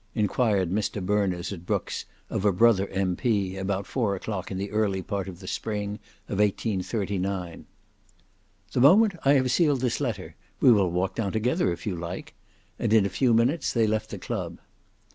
enquired Mr Berners at Brookes, of a brother M.P., about four o'clock in the early part of the spring of 1839. "The moment I have sealed this letter; we will walk down together, if you like!" and in a few minutes they left the club.